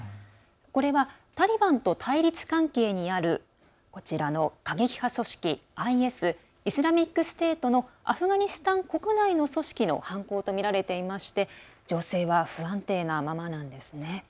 これはタリバンと対立関係にあるこちらの過激派組織ＩＳ＝イスラミックステートのアフガニスタン国内の組織の犯行とみられていまして情勢は不安定なままなんですね。